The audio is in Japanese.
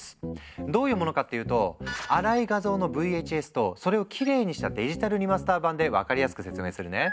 どういうものかっていうと粗い画像のＶＨＳとそれをきれいにしたデジタルリマスター版で分かりやすく説明するね。